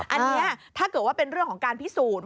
อันนี้ถ้าเกิดว่าเป็นเรื่องของการพิสูจน์